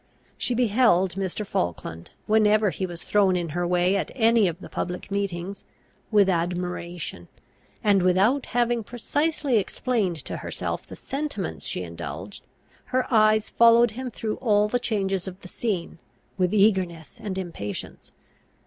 She beheld Mr. Falkland, whenever he was thrown in her way at any of the public meetings, with admiration; and, without having precisely explained to herself the sentiments she indulged, her eyes followed him through all the changes of the scene, with eagerness and impatience.